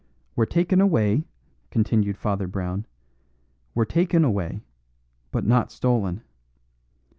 "Were taken away," continued Father Brown; "were taken away but not stolen.